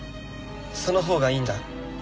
そのほうがいいんだ。